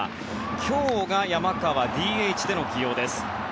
今日は山川はＤＨでの起用です。